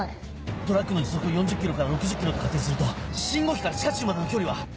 トラックの時速を４０ｋｍから６０ｋｍと仮定すると信号機から地下駐までの距離は？